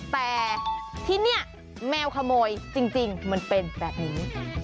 แต่ที่นี่แมวขโมยจริงมันเป็นแบบนี้